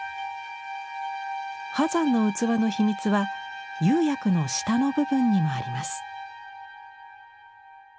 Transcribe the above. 波山の器の秘密は釉薬の下の部分にもあります。